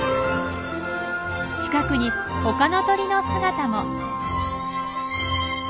近くに他の鳥の姿も。